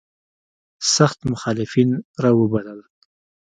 سخت مخالفین را وبلل.